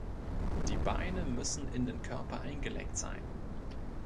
Die Beine müssen in den Körper eingelenkt sein.